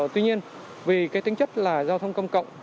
tuy nhiên vì cái tính chất là giao thông công cộng